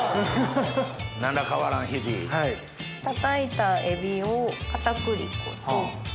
たたいたエビを片栗粉と。